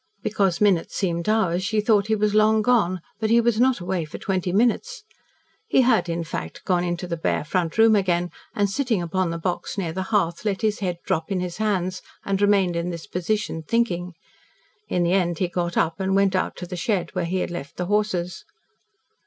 Because minutes seemed hours, she thought he was gone long, but he was not away for twenty minutes. He had, in fact, gone into the bare front room again, and sitting upon the box near the hearth, let his head drop in his hands and remained in this position thinking. In the end he got up and went out to the shed where he had left the horses.